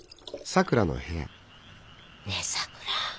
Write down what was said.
ねえさくら。